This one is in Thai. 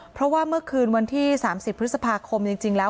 เพราะว่าเมื่อคืนวันที่๓๐พฤษภาคมจริงแล้ว